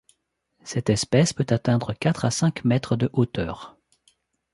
Cette espèce peut atteindre quatre à cinq mètres de hauteur.